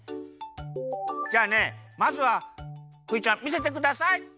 じゃあねまずはクイちゃんみせてください。